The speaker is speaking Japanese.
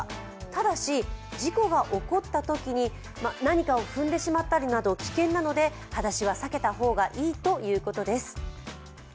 ただし、事故が起こったときに何かを踏んでしまったりなど危険なので、はだしは避けた方がいいということです。